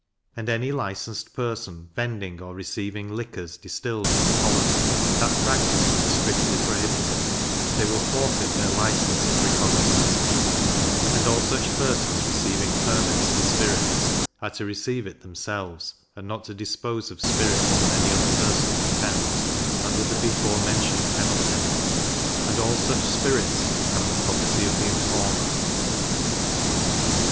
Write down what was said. And any licenced person vending or receiving liquors distilled in the colony (that practice being strictly prohibited), they will forfeit their licence and recognizances; and all such persons receiving permits for spirits are to receive it themselves, and not to dispose of spirits on any other person's account, under the before mentioned penalty, and all such spirits to become the property of the informer.